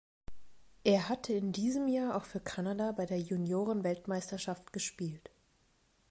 Er hatte in diesem Jahr auch für Kanada bei der Junioren Weltmeisterschaft gespielt.